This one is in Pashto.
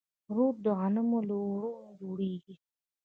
روټ د غنمو له اوړو جوړیږي.